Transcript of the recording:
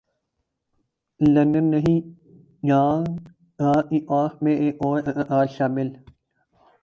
London نہیں جاں گا کی کاسٹ میں ایک اور اداکار شامل